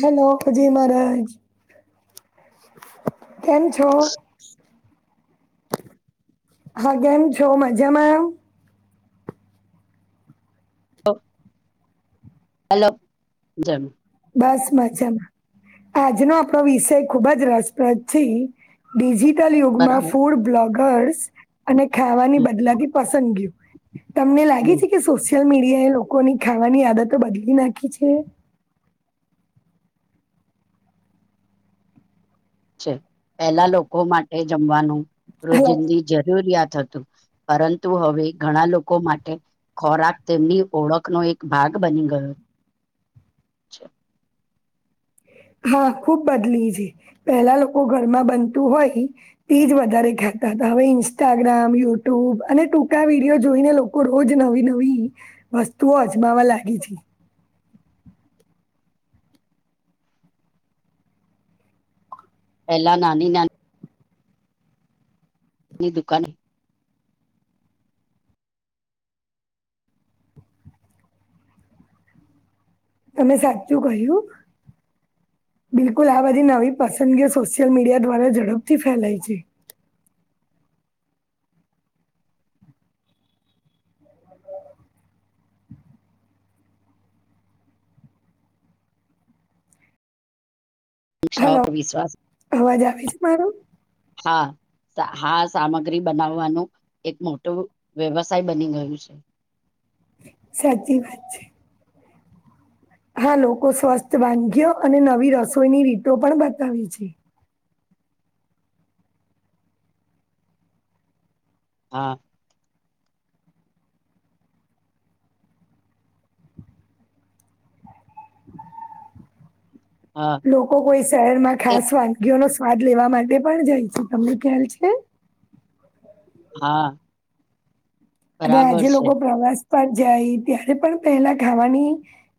Hello જય મહારાજ કેમ છો હા કેમ છો મજામાં [inaudible] હલો જમ બસ મજામાં આજનો આપણો વિષય ખુબ જ રસપ્રદથી [unintelligible] ટલ યુગમાં બરાબર ફૂડ બ્લોગર્સ અને ખાવાની હમ બદલાતી પસંદગીઓ તમને લાગે હમ છે કે સોશિયલ મી [unintelligible] લોકોની ખાવાની આદતો બદલી નાખી છે છે પહેલા લોકો માટે જમવાનું હલો રોજિંદી જરૂરિયાત હ તુ પરંતુ હવે ઘણા લોકો માટે ખોરાક તેમની ઓળખનો એક ભાગ બ બની ગયો છે [inaudible] હા ખુબ [unintelligible] પેલા લોકો ઘરમાં બનતું હોય તેજ વધારે ખાતા હવે ઇન્સ્ટાગ્રામ યુટ્યુબ અને ટૂંકા વિડીયો જોઈને લોકો રોજ નવી નવી વસ્તુઓ [unintelligible] લાગી થી પેલા નાની નાની ની દુકાન તમે સાચું કહ્યું બિલકુલ આ બધી નવી પસંદગી સોશિયલ મીડિયા દ્વારા ઝડપથી ફેલાય છે [inaudible] [inaudible] વિશ્વાસ- એજ મારો હા હા સામગ્રી બનાવવાનું એક મોટો વ્યવસાય બની ગયું છે [inaudible] સાચી વાત છે હા લોકો સ્વસ્થ વાનગીયો અને નવી રસોઈની રીતો પણ બતાવી છે હા હા લોકો કોઈ શહેર માં એક ખાસ વાનગીઓ ન સ્વાદ લેવા માટે પણ જાય છેું તમને ખ્યાલ છે હા અને બરાબર આજે છે લોકો પ્રવાસ પન જાય ત્યારે પણ પહેલા ખાવાની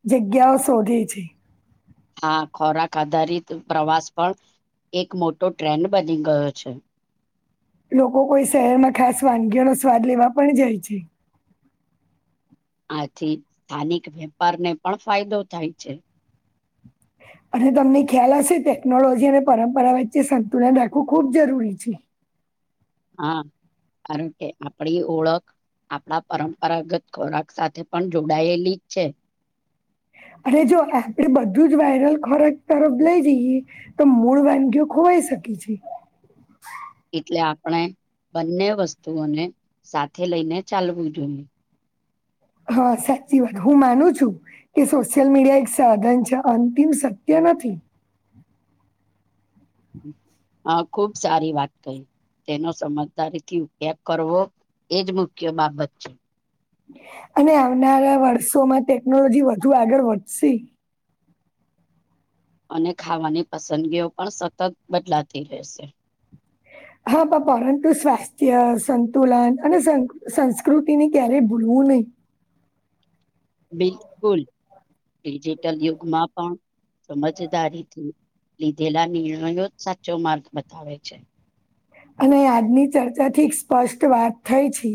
જગ્યાઓ શોધે છે હા ખોરાક આધારિત પ્રવાસ પણ એક મોટો ટ્રેન્ડ બની ગયો છે લોકો કોઈ શહેરમાં ખાસ વાનગીઓ નો સ્વાદ લેવા પણ જાય છે આથી સ્થાનિક વેપારને પણ ફાયદો થાય છે [inaudible] અને તમને ખ્યાલ હશે ટેકનોલોજી અને પરંપરા વચ્ચે સંતુલન રાખવું ખૂબ જરૂરી છે હા કારણ કે આપણી ઓળખ આપણા પરંપરાગત ખોરાક સાથે પણ જોડાયેલી જ છે અને જો આપડે બધું જ વાયરલ ખોરાક તરફ લઈ જઈએ તો મૂળ વાનગી ખોવા શકી છે એટલે આપણે બંને વસ્તુઓને સાથે લઈને ચાલવું જોઈએ હા સાચી વાત હું માનું છું કે સોશિયલ મીડિયા એક સાધન છે અંતિમ સત્ય નથી હા ખુબ સારી વાત કહી તેનો સમજદારીથી, ઉપયોગ કરવો એજ મુખ્ય બાબત છે. અને આવનારા વર્ષોમાં ટેકનોલોજી, વધુ આગળ વધશે અને ખાવાની, પસંદગીઓ પણ સતત બદલાતી રહેશે. હા, બાપા પરંતુ સ્વાસ્થ્ય સંતુલન અને સંસ્કૃતિની ક્યારેય ભૂલ મૂને બિલકુલ, ડિજિટલ યુગમાં પણ સમજદારીથી, લીધેલા નિર્ણયો જ સાચો માર્ગ બતાવે છે. અને આજની ચર્ચા થી એક સ્પષ્ટ વાત થઈ છે,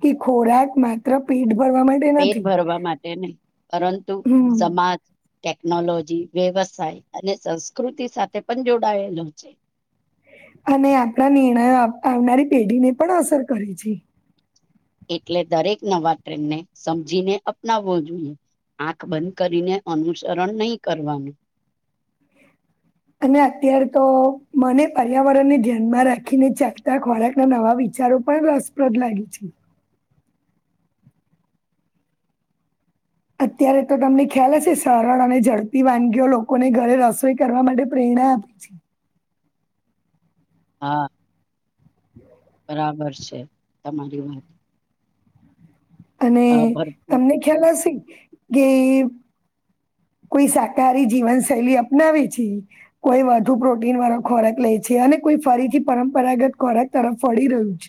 કે ખોરાક માત્ર પેટ ભરવા માટે પેટ નથી ભરવા માટે નહી, પરંતુ હમ. સમાજ ટેકનોલોજી, વ્યવસાય અને સંસ્કૃતિ સાથે પણ જોડાયેલો છે. અને આપણા નિર્ણયો, આવનારી પેઢીને પણ અસર કરે છે. એટલે દરેક, નવા ટ્રેનને સમજીને અપનાવવો જોઈએ આંખ બધ, કરીને અનુસરણ નહી કરવાનુ અને અત્યારે, તો મને પર્યાવરણને ધ્યાનમાં રાખીને ચખતા ખોરાક ના નવા વિચ બચારું પણ રસપ્રદ લાગે છે. અત્યારે, તો તમને ખ્યાલ હશે સરળ અને ઝડપ વાનગીઓ લોકોને ઘરે રસોઈ કરવા માટે પ્રે ના પ હા હ બરાબર છે, તમારી વાત અને હા ભરપૂર તમને ખ્યાલ હશે, કે કોઈ શાકાહારી જીવન શૈલી અપનાવે છે, કોઈ વધુ પ્રોટીન વાળો ખોરાક લે છે, અને કો ફરીથી, પરંપરાગત ખોરાક તરફ ફળી રહ્યું છે.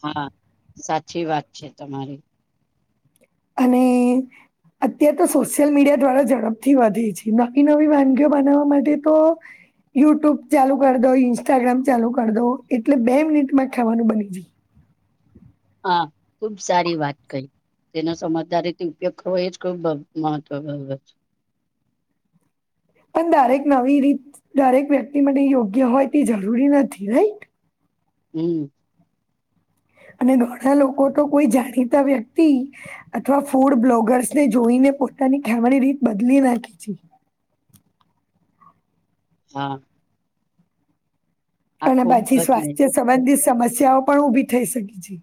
હા, સાચી વાત છે. તમારી અને અત્યારે, તો સોશિયલ મીડિયા દ્વારા ઝડપથી વધે છે, નવી નવી વાનગીઓ બનાવવા માટે તો યુટ્યુબ ચાલુ કરી દો ઇન્સ્ટાગ્રામ ચાલુ કરી દો, એટલે બે મિનિટમા ખાવાનુ બની જય હા, ખુબ સારી વાત કહી તેનો સમજદારીથી, ઉપયોગ કરવો એ જ ખુબ મહત્વ છે. પણ દરેક નવી રીત દરેક વ્યક્તિ માટે યોગ્ય હોય તે જરૂરી નથી, રાઈટ એ અને ઘણા લોકો તો કોઈ જાણીતા વ્યક્તિ અથવા ફૂડ બ્લોગર્સને જોઈને પોતાની ખામણી, રીત બદલી નાખી છે. હા આ અને ખુબ બાછી, બદલે સ્વાસ્થ્ય સંબંધિત સમસ્યાઓ પણ ઉભી થઈ શકી છે.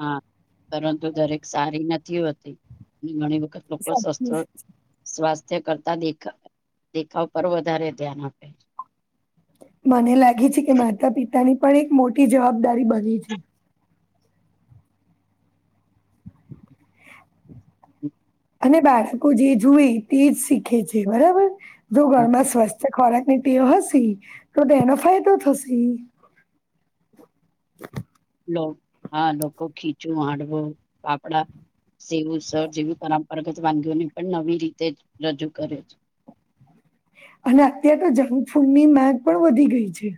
હા, પરંતુ દરેક સારી નથી હોતી, ઘણી સાચી સ્વસ્થ વાત છે. સ્સ્થ કરતા દેખ દેખાવ પર, વધારે ધ્યાન આપે મને લાગે છે, કે માતા પિતાની પણ એક મોટી જવાબદારી બની છે. હમ્મ અને બાળકો જે જુએ તે જ શીખે છે, બરાબર જો હા ઘરમાં સ્વસ્થ ખોરાય તેઓ હસી, તો તે એનો ફાયદો થશે હા, લોકો ખીચું હાડવું પાાપડા સેવુંસર જેવી પરંપરાગત વાનગીઓને પણ નવી રીતે રજૂ કરે છે. [inaudible] અને અત્યારે તો જંગફૂડની માંગ પણ વધી ગઈ છે.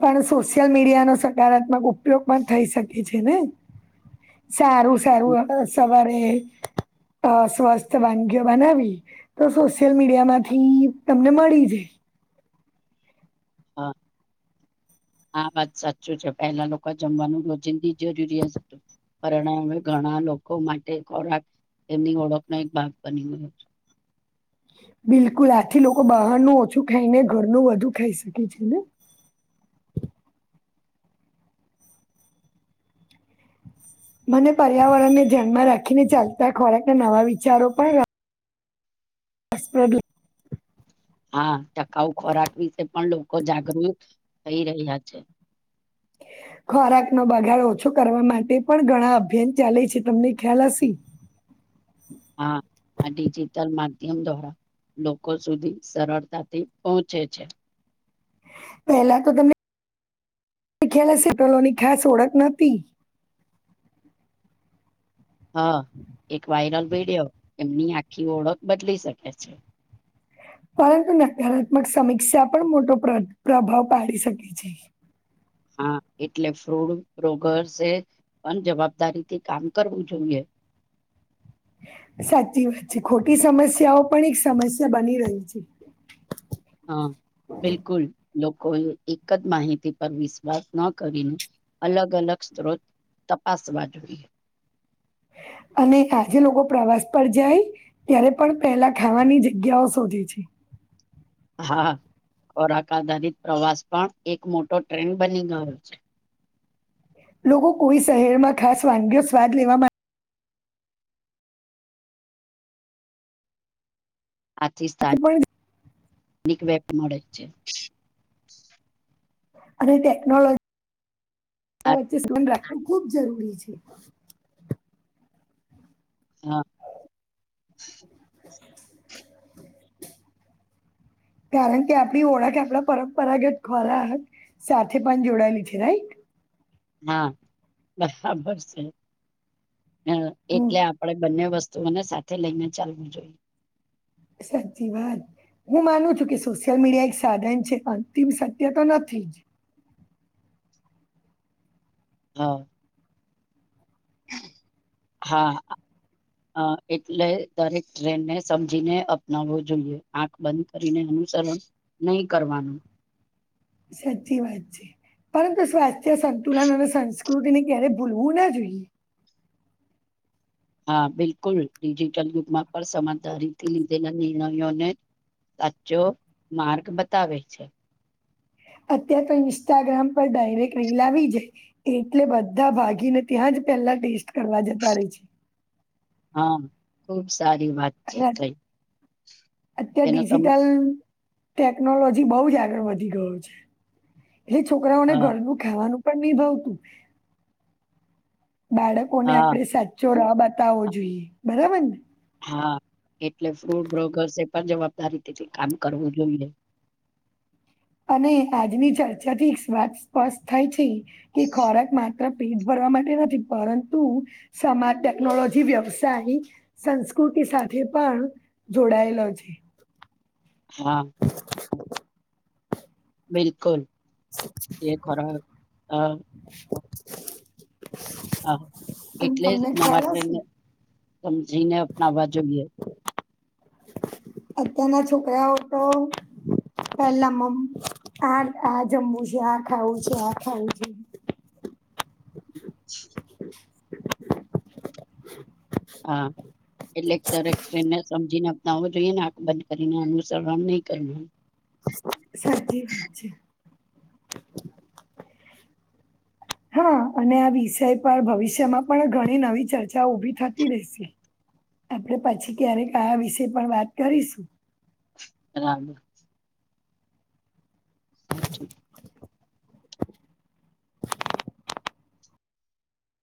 પણ સોશિયલ મીડિયા નો સકારાત્મક ઉપયોગ પણ થઈ શકે છે ને. સારું સારું હવે સવારે [inaudible] સ્વસ્થ વાનગીઓ બનાવી તો સોશિયલ મીડિયામાંથી તમને મળી જાય. હા. હા વાત સાચું છે પહેલા લોકા જમવાનું રોજિંદી જરૂરિયાસ પરણમે ઘણા લોકો માટે ખોરાક એમની ઓળખનો એક ભાગ બની ગયો છે. બિલકુલ આથી લોકો બહારનું ઓછું ખાઈને ઘરનું વધુ ખાઈ શકે છે ને. [inaudible] મને પર્યાવરણને ધ્યાનમાં રાખીને ચાલતા ખોરાક ના નવા વિચારો પણ અસપેદી હા ટકાઉ ખોરાક વિશે પણ લોકો જાગૃત થઈ રહ્યા છે. [inaudible] ખોરાક નો બગાડો ઓછો કરવા માટે પણ ઘણા અભિયાન ચાલે છે તમને ખ્યાલ હસી. [inaudible] હા આ ડિજીિટલ માધ્યમ દ્વ લોકો સુધી સરળતાથી પહોંચે છે. પેલા તો તમે શીખેલા સેટલોની ખાસ ઓળખ નતી. હા એક વાયરલ વિડિયો એમની આખી ઓળખ બદલી શકે છે. [inaudible] પરંતુ નકારાત્મક સમીક્ષા પણ મોટો પ્ર પ્રભાવ પાડી શકે છે. હા. [inaudible] સાચી વાત છે ખોટી સમસ્યાઓ પણ એક સમસ્યા બની રહી છે. હા બિલકુલ. લોકોએ એક જ માહિતી પર વિશ્વાસ ન કરીને અલગ અલગ સ્ત્રોત તપાસવા જોઈએ. અને આજે લોકો પ્રવાસ પર જાય ત્યારે પણ પહેલા ખાવાની જગ્યાઓ શોધે છે. અ હા. ખોરાક આધારિત પ્રવાસ પણ એક મોટો ટ્રેન્ડ બની ગયો છે. લોકો કોઈ શહેર માં ખાસ વાનગી સ્વાદ લેવા માં આથી માટે પણ જાય. સ્થાનિક વેપ મળે છે. અરે ટેકનોલોજ આ વચ્ચે [unintelligible] ખુબ જરૂરી છે. હા. કારણ કે આપણી ઓળખ આપલા પરંપરાગત ખોરાહ. સાથે પણ જોડાયેલી છે રાઈટ. હા બરાબર છે હ એટલે આપડે બંને વસ્ત મને સાથે લઈને ચાલવું જોઈએ. સાચી વાત. હું માનું છું કે સોશિયલ મીડિયા એક સાધન છે અંતિમ સત્ય તો નથી જ. હા. હા આ. અ એટલે દરેક ટ્રેનને સમજીને અપનાવવો જોઈએ આંખ બંધ કરીને. અનુસરણ નહી કરવાનું. સાચી વાત છે પરંતુ સ્વાસ્થ્ય સંતુલન અને સંસ્ તેને ક્યારે ભૂલવું ના જોઈએ. હા બિલકુલ ડિજિટલ યુગમાં પણ સમજદારીથી લીધેલા નિર્ણયોને સાચો માર્ગ બતાવે છે. અત્યારે તો ઇન્સ્ટાગ્રામ પર ડાયરેક્ટ રીલ લાવી જાય એટલે બધા ભાગીને ત્યા પેલા ટેસ્ટ કરવા જતા રેય છે. હા ખુબ સારી વાત છે અને કઈ અત્યારે એનો સમ ડિજિટલ ટેકનોલોજી બઉ જ આગળ વધી ગયો છે એટલે છોકરાઓને હા ઘરનું ખાવાનું પણ નિ ભાવતું બાળકોને હા આપણેે સાચું તો રાહ બતાવો જોઈએ બરાબર ને. હા એટલે ફ્રૂટ બ્રોગર્સ એ પણ જવાબદારી થી કામ કરવું જોઈએ. [inaudible] અને આજની ચર્ચા થી એક વાત સ્પષ્ટ થાય છે કે ખોરાક માત્ર પેટ ભરવા માટે નથી પરંતુ સમાજ, ટેકનોલોજી, વ્યવસાય, સંસ્કૃતિ સાથે પણ જોડાયેલો હોય છે. હા. બિલકુલ જે ખોરાક અ હા અને એટલે જ તમને નવા ખ્યાલ ટ્રેન્ડ હશે ને સમજીને અપનાવવા જોઈએ. અત્યારના છોકરાઓ તો પેલા મમ આ આ જમવું છે, આ ખાવું છે, આ ખાવું છે. [inaudible] [inaudible] [inaudible] હા નાવા જોઈએ નાખ બંધ કરીને અનુસરણ બંધ ની કરી દેવાનું. સાચી વાત છે. હા અને આ વિષય પર ભવિષ્યમાં પણ ઘણી નવી ચર્ચાઓ ઉભી થતી રેહશે. આપણે પછી ક્યારેક આ વિષય પર વાત કરીશું. રાબ સાચૂ.